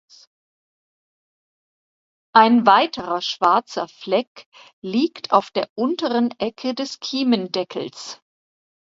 Ein weiterer schwarzer Fleck liegt auf der der unteren Ecke des Kiemendeckels.